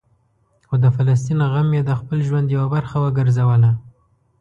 خو د فلسطین غم یې د خپل ژوند یوه برخه وګرځوله.